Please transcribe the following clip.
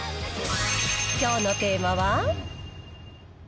きょうのテーマは？